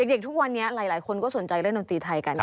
เด็กทุกวันนี้หลายคนก็สนใจเล่นดนตรีไทยกัน